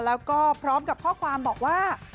แล้วก็พร้อมกับข้อความบอกว่า